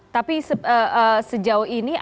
tapi sejauh ini apakah langkah langkah yang diberikan